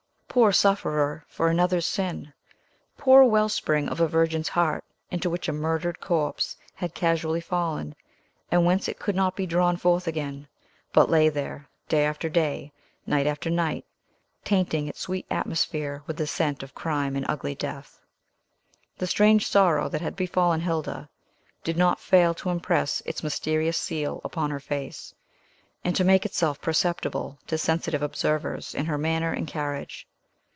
Poor sufferer for another's sin! Poor wellspring of a virgin's heart, into which a murdered corpse had casually fallen, and whence it could not be drawn forth again, but lay there, day after day, night after night, tainting its sweet atmosphere with the scent of crime and ugly death! The strange sorrow that had befallen Hilda did not fail to impress its mysterious seal upon her face, and to make itself perceptible to sensitive observers in her manner and carriage.